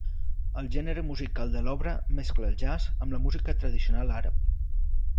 El gènere musical de l'obra mescla el jazz amb la música tradicional àrab.